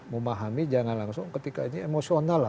memahami jangan langsung ketika ini emosional lah